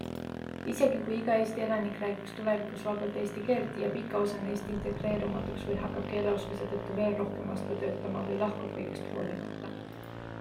Isegi kui iga Eesti elanik räägiks tulevikus vabalt eesti keelt, jääb ikka osa neist integreerumatuks või hakkab keeleoskuse tõttu veel rohkem vastu töötama või lahkub kõigest hoolimata.